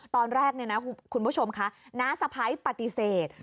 ตอนแรกเนี่ยนะคุณผู้ชมคะน้าสะพ้ายปฏิเสธ